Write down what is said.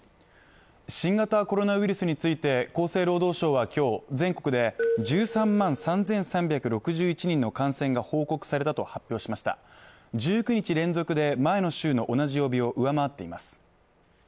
新型コロナウイルスについて厚生労働省は今日全国で１３万３３６１人の感染が報告されたと発表しました１９日連続で前の週の同じ曜日を上回っています